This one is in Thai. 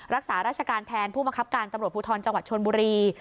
รักษาราชการแทนผู้บังคับการตำรวจภูทรจังหวัดชนบุรี